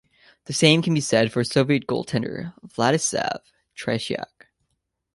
The same can be said for Soviet goaltender Vladislav Tretiak.